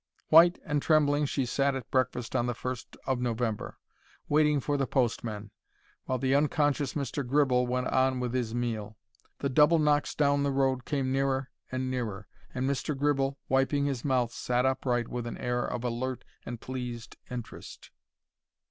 White and trembling she sat at breakfast on the first of November, waiting for the postman, while the unconscious Mr. Gribble went on with his meal. The double knocks down the road came nearer and nearer, and Mr. Gribble, wiping his mouth, sat upright with an air of alert and pleased interest.